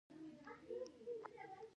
د خوراکتوکو، سبو، مېوو پلورنځي وو.